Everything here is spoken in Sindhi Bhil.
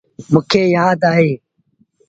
موݩ کي يآد اهي۔